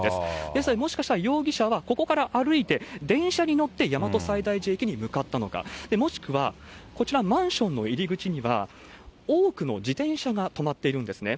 ですので、もしかしたら容疑者はここから歩いて、電車に乗って大和西大寺駅に向かったのか、もしくは、こちら、マンションの入り口には、多くの自転車が止まっているんですね。